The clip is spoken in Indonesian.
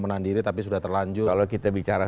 menahan diri tapi sudah terlanjur kalau kita bicara